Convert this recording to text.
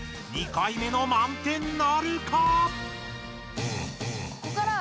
２回目の満点なるか！？